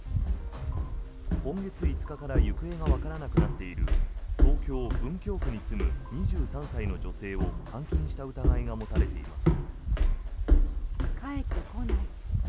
今月５日から行方がわからなくなっている東京・文京区に住む２３歳の女性を監禁した疑いが持たれています。